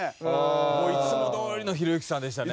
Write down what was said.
いつもどおりのひろゆきさんでしたね。